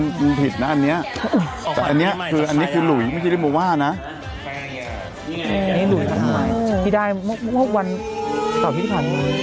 นี่ไงนี่หนูอยู่ทางไทยพี่ได้๖วันต่อพิษภัณฑ์